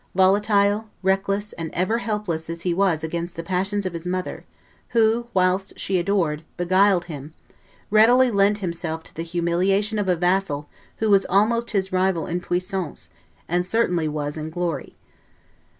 volatile, reckless, and ever helpless as he was against the passions of his mother, who whilst she adored, beguiled him, readily lent himself to the humiliation of a vassal who was almost his rival in puissance, and certainly was in glory.